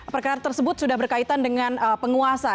perkara tersebut sudah berkaitan dengan penguasa